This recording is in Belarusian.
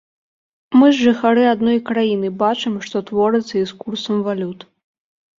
Мы ж жыхары адной краіны, бачым, што творыцца і з курсам валют.